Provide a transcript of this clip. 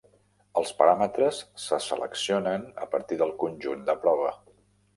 Els paràmetres se seleccionen a partir del conjunt de prova.